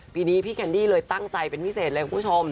ปีนี้พี่แคนดี้เลยตั้งใจเป็นพิเศษเลยคุณผู้ชม